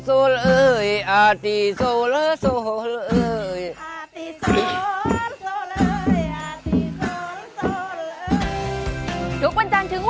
สรุปล่ะ